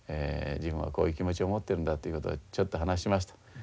自分はこういう気持ちを持ってるんだということでちょっと話しました。